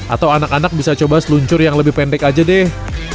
atau anak anak bisa coba seluncur yang lebih pendek aja deh